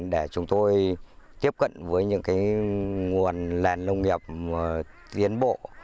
để chúng tôi tiếp cận với những nguồn lèn lông nghiệp tiến bộ